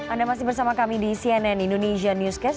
anda masih bersama kami di cnn indonesia newscast